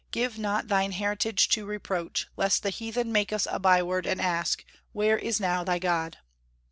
give not Thine heritage to reproach, lest the heathen make us a by word, and ask, Where is now thy God?"